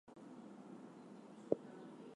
He was a longtime contributor to leading magazines.